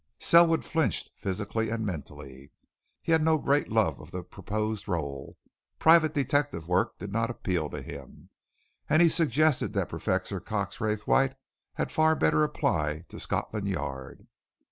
Selwood flinched, physically and mentally. He had no great love of the proposed rôle private detective work did not appeal to him. And he suggested that Professor Cox Raythwaite had far better apply to Scotland Yard.